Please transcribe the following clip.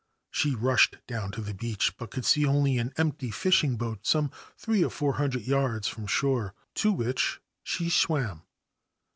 She rushed down to the beach, but could see only an empty fishing boat some three or four hundred yards from shore, to which she swam.